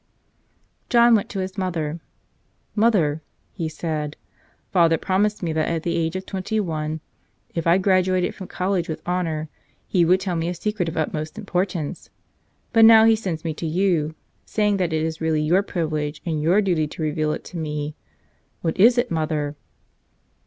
John went to mother. "Mother," he said, "father promised me that at the age of twenty one, if I grad¬ uated from college with honor, he would tell me a secret of utmost importance. But now he sends me to you, saying that it is really your privilege and your duty to reveal it to me. What is it, mother?"